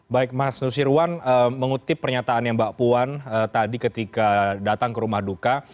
baik mas nusirwan mengutip pernyataannya mbak puan tadi ketika datang ke rumah duka